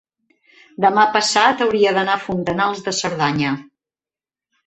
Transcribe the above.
demà passat hauria d'anar a Fontanals de Cerdanya.